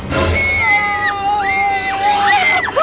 นี่